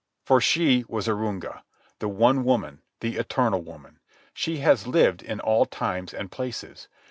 For she was Arunga, the one woman, the eternal woman. She has lived in all times and places.